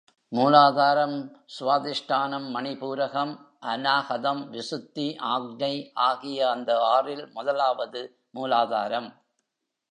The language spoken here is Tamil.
மூலாதாரம், சுவாதிஷ்டானம், மணிபூரகம், அநாகதம், விசுத்தி, ஆக்ஞை ஆகிய அந்த ஆறில் முதலாவது மூலாதாரம்.